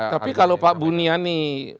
tapi kalau pak buniani